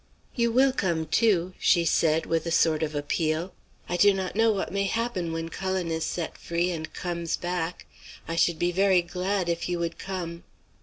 "'You will come too?' she said with a sort of appeal. 'I do not know what may happen when Cullen is set free and comes back, I should be very glad if you would come.'"